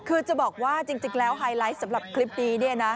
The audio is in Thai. คือจะบอกว่าจริงแล้วไฮไลท์สำหรับคลิปนี้เนี่ยนะ